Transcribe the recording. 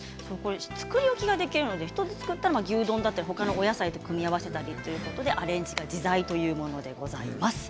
作り置きができるので１つ作ったら牛丼だったりほかのお野菜と組み合わせたりアレンジが自在ということでございます。